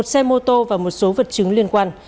một xe mô tô và một số vật chứng liên quan